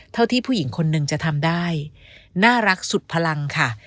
ที่ผู้หญิงคนหนึ่งจะทำได้น่ารักสุดพลังค่ะ